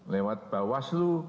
lewat bawah slu